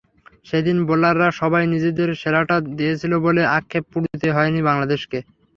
সেদিন বোলাররা সবাই নিজেদের সেরাটা দিয়েছিল বলে আক্ষেপে পুড়তে হয়নি বাংলাদেশকে।